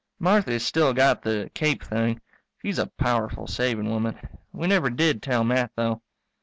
Marthy's still got the cape thing. She's a powerful saving woman. We never did tell Matt, though.